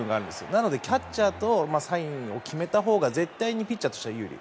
なのでキャッチャーとサインを決めたほうが絶対にピッチャーとしては有利。